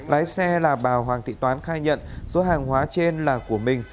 lái xe là bà hoàng thị toán khai nhận số hàng hóa trên là của mình